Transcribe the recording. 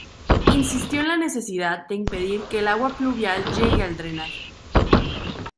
Insistió en la necesidad de impedir que el agua pluvial llegue al drenaje.